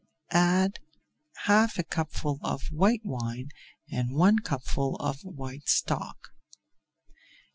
Add half a cupful of white wine and one cupful of white stock.